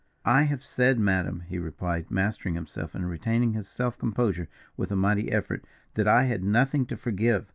"I have said, madam," he replied, mastering himself and retaining his self composure with a mighty effort, "that I had nothing to forgive.